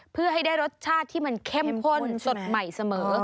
เพื่อให้ได้รสชาติที่มันเข้มข้นสดใหม่เสมอ